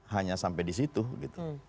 hanya sampai di situ gitu